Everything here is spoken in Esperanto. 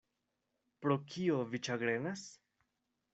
Pro kio vi ĉagrenas?